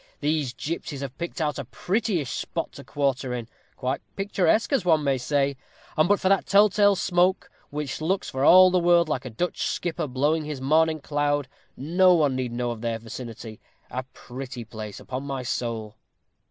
These gipsies have picked out a prettyish spot to quarter in quite picturesque, as one may say and but for that tell tale smoke, which looks for all the world like a Dutch skipper blowing his morning cloud, no one need know of their vicinity. A pretty place, upon my soul."